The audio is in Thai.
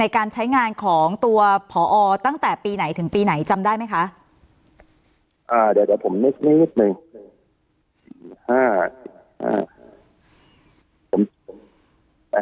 การใช้งานของตัวผอตั้งแต่ปีไหนถึงปีไหนจำได้ไหมคะอ่าเดี๋ยวเดี๋ยวผมนึกนึกหนึ่งสิบห้าสิบห้า